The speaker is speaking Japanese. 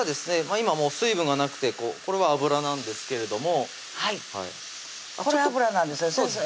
今もう水分がなくてこれは脂なんですけれどもこれ脂なんですね先生